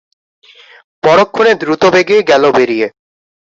পরক্ষণে দ্রুতবেগে গেল বেরিয়ে।